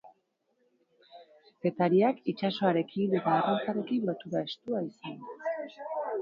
Getariak itsasoarekin eta arrantzarekin lotura estua izan du.